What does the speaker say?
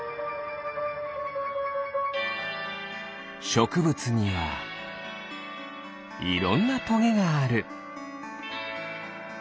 しょくぶつにはいろんなトゲがある。